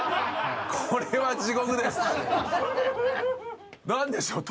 これは地獄です。